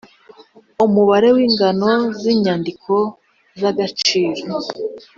Umubare w ingano z inyandiko z agaciro